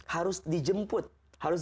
harus dijemput harus